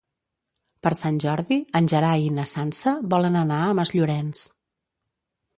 Per Sant Jordi en Gerai i na Sança volen anar a Masllorenç.